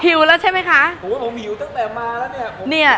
หิวแล้วใช่ไหมคะฉันหิวตั้งแต่มาแล้วเนี่ย